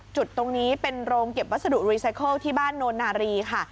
จุดตรงนี้เป็นโรงเก็บวัสดุรีไซเคิลที่บ้านโนนารีค่ะ